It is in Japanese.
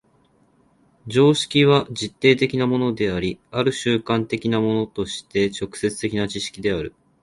常識は実定的なものであり、或る慣習的なものとして直接的な知識である。